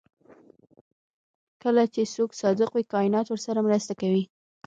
کله چې څوک صادق وي کائنات ورسره مرسته کوي.